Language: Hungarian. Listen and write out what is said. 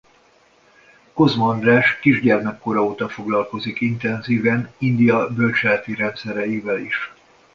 Kozma András kisgyermek kora óta foglalkozik intenzíven India bölcseleti rendszereivel is.